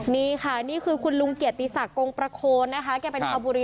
นี่ค่ะนี่คือคุณลุงเกียรติศักดิ์โกงประโคนนะคะ